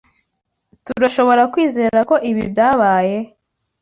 Turashoborakwizera ko ibi byabaye?